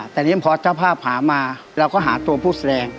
แต่นี่พอเจ้าภาพหามาเราก็หาตัวผู้แสดง